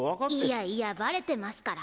いやいやバレてますから！